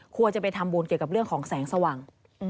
ควรจะไปทำบุญเกี่ยวกับเรื่องของแสงสว่าง